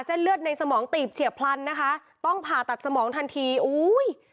เส้นเลือดในสมองตีบเฉียบพลันนะคะต้องผ่าตัดสมองทันทีอุ้ย